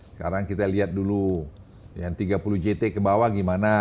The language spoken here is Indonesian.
sekarang kita lihat dulu yang tiga puluh jt ke bawah gimana